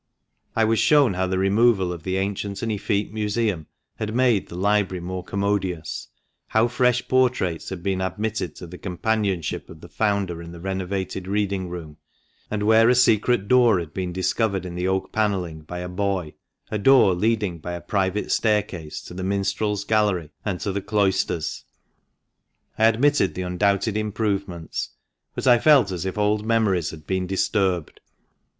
I was shown how the removal of the ancient and effete museum had made the library more commodious, how fresh portraits had been admitted to the com panionship of the Founder in the renovated reading room, and where a secret door had been discovered in the oak panelling by a boy, a door leading by a private staircase to the Minstrel's gallery and to the cloisters. I admitted the undoubted improvements, but I felt as if old memories had been disturbed.